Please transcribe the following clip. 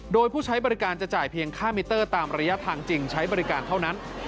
โดยผู้ใช้บริการจะจ่ายเพียงค่ามิเตอร์ตามระยะทางจริงใช้บริการเท่านั้น